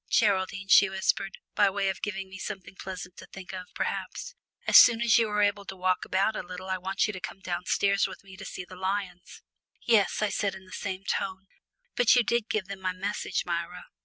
"Geraldine," she whispered, by way of giving me something pleasant to think of, perhaps, "as soon as you are able to walk about a little I want you to come downstairs with me to see the lions." "Yes," I said in the same tone, "but you did give them my message, Myra?"